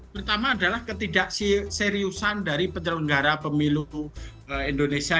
pertama adalah ketidakseriusan dari penyelenggara pemilu indonesia